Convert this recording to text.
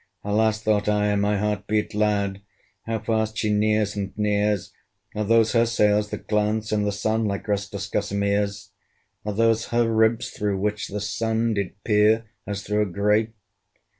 Alas! (thought I, and my heart beat loud) How fast she nears and nears! Are those her sails that glance in the Sun, Like restless gossameres! Are those her ribs through which the Sun Did peer, as through a grate?